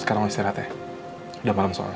sekarang lo istirahat ya udah malem soalnya